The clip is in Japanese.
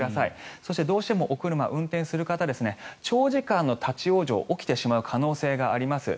そして、どうしてもお車運転する方長時間の立ち往生が起きてしまう可能性があります